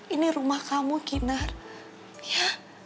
ini rumah kamu kinar ya